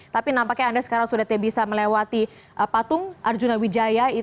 tapi nampaknya anda sekarang sudah bisa melewati patung arjuna wijaya